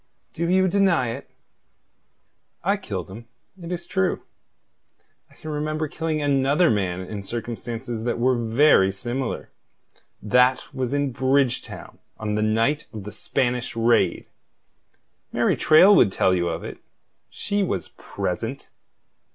"Do you deny it?" "I killed him, it is true. I can remember killing another man in circumstances that were very similar. That was in Bridgetown on the night of the Spanish raid. Mary Traill would tell you of it. She was present."